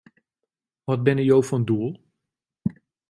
Wat binne jo fan doel?